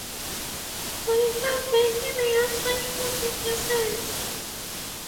For a whole day he may not touch food with his hands.